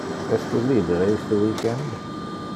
Es tu libere iste week-end?